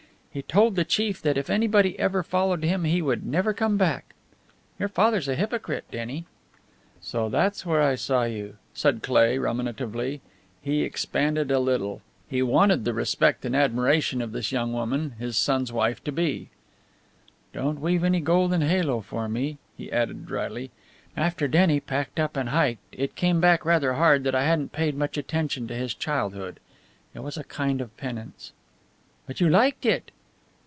He told the chief that if anybody ever followed him he would never come back. Your father's a hypocrite, Denny." "So that's where I saw you?" said Cleigh, ruminatively. He expanded a little. He wanted the respect and admiration of this young woman his son's wife to be. "Don't weave any golden halo for me," he added, dryly. "After Denny packed up and hiked it came back rather hard that I hadn't paid much attention to his childhood. It was a kind of penance." "But you liked it!"